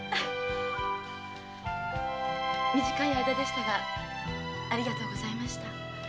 短い間でしたがありがとうございました。